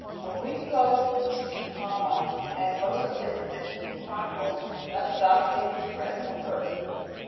Of Uiticos and Chuquipalpa and most of the places mentioned in the chronicles, none of Don Pedro's friends had ever heard.